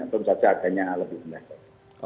tentu saja harganya lebih rendah